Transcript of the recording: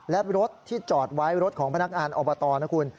และรถที่จอดไว้รถของพนักงานอบตนะคุณ